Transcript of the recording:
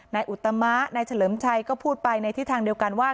อุตมะนายเฉลิมชัยก็พูดไปในทิศทางเดียวกันว่า